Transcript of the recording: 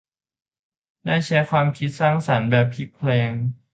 ได้ใช้ความคิดสร้างสรรค์แบบพลิกแพลง